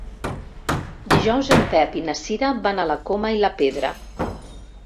Dijous en Pep i na Cira van a la Coma i la Pedra.